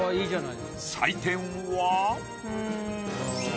採点は？